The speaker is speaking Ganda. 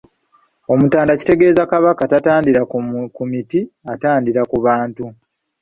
Omutanda kitegeeza Kabaka tatandira ku miti, atandira ku bantu.